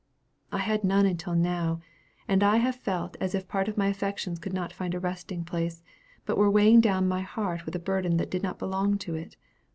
"I had none until now; and I have felt as if part of my affections could not find a resting place, but were weighing down my heart with a burden that did not belong to it.